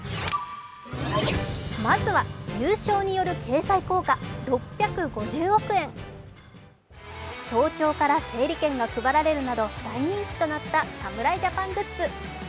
まずは優勝による経済効果６５５億円早朝から整理券が配られるなど大人気となった侍ジャパングッズ。